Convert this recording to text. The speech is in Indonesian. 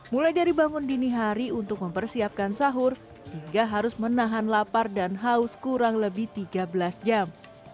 mulai dari bangun dini hari untuk mempersiapkan sahur hingga harus menahan lapar dan haus kurang lebih tiga belas jam